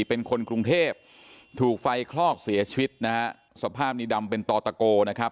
เป็นคนกรุงเทพถูกไฟคลอกเสียชีวิตนะฮะสภาพนี้ดำเป็นต่อตะโกนะครับ